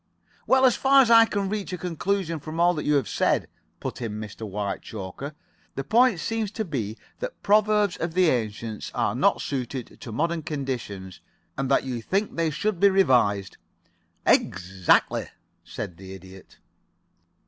"Well, as far as I can reach a conclusion from all that you have said," put in Mr. Whitechoker, "the point seems to be that the proverbs of the ancients are not suited to modern conditions, and that you think they should be revised." "Exactly," said the Idiot.